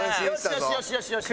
よしよしよしよし！